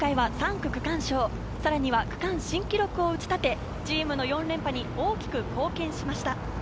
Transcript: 区間新記録を打ち立て、チームの４連覇に大きく貢献しました。